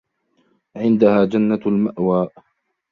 عِندَهَا جَنَّةُ الْمَأْوَى